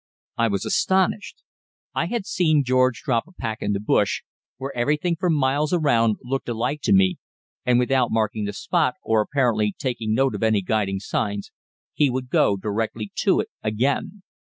I was astonished. I had seen George drop a pack in the bush, where everything for miles around looked alike to me, and without marking the spot or apparently taking note of any guiding signs, he would go directly to it again.